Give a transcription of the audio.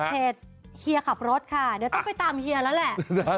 เฮียขับรถค่ะเดี๋ยวต้องไปตามเฮียแล้วแหละ